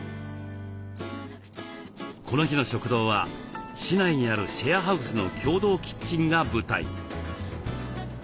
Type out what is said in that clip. この日の食堂は市内にあるシェアハウスの共同キッチンが舞台。